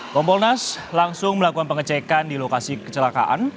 kompolnas langsung melakukan pengecekan di lokasi kecelakaan